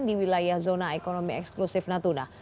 di wilayah zona ekonomi eksklusif natuna